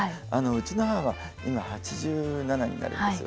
うちの母は今８７になるんですよね。